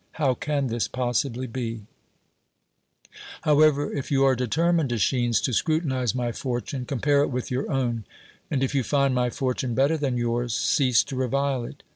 How can this possibly be ? However, if you are determined, .Eschines, to scrutinize my fortune, compare it with j'our own, and, if you find my fortune better than yours, cease to revile it.